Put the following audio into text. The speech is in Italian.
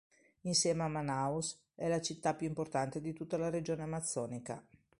Insieme a Manaus è la città più importante di tutta la regione amazzonica.